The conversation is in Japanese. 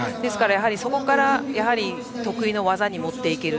そこから得意の技に持っていける。